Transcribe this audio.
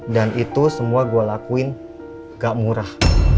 dan itu semua gue lakuin gak murah